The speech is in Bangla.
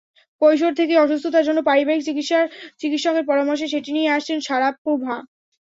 কৈশোর থেকেই অসুস্থতার জন্য পারিবারিক চিকিৎসকের পরামর্শে সেটি নিয়ে আসছেন শারাপোভা।